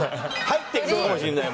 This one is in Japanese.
入っていくかもしれない。